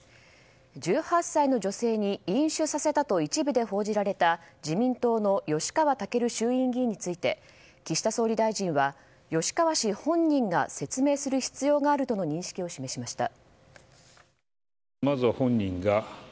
１８歳の女性に飲酒させたと一部で報じられた自民党の吉川赳衆院議員について岸田総理大臣は吉川氏本人が説明する必要があるとの認識を示しました。